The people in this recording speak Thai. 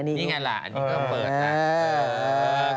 นี่ไงล่ะอันนี้ก็เปิดนะ